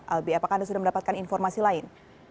albi apakah anda sudah mendapatkan informasi lain